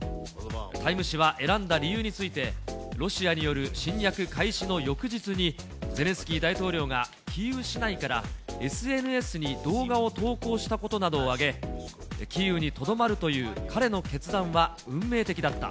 タイム誌は選んだ理由について、ロシアによる侵略開始の翌日に、ゼレンスキー大統領がキーウ市内からＳＮＳに動画を投稿したことなどを挙げ、キーウにとどまるという彼の決断は運命的だった。